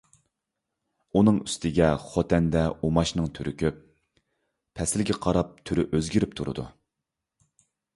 ئۇنىڭ ئۈستىگە خوتەندە ئۇماچنىڭ تۈرى كۆپ. پەسىلگە قاراپ تۈرى ئۆزگىرىپ تۇرىدۇ.